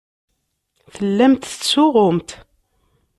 Tellamt tettsuɣumt.